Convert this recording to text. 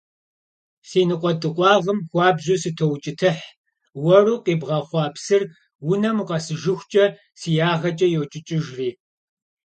Си ныкъуэдыкъуагъым хуабжьу сытоукӀытыхь, уэру къибгъэхъуа псыр унэм укъэсыжыхукӀэ си ягъэкӀэ йокӀыкӀыжри.